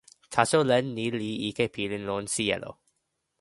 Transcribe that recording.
taso len ni li ike pilin lon sijelo.